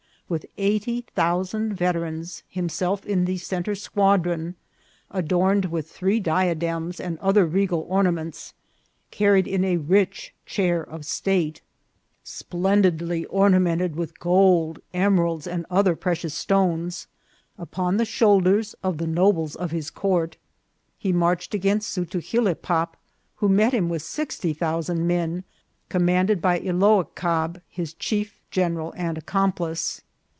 "With eighty thousand veterans, himself in the centre squadron, adorned with three diadems and other regal ornaments, carried in a rich chair of stale, INCIDENTS OF TRAVEL. splendidly ornamented with gold, emeralds, and othel precious stones, upon the shoulders of the nobles of his court, he marched against Zutugilebpop, who met him with sixty thousand men, commanded by Iloacab, his chief general and accomplice.